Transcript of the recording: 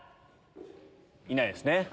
いないですね。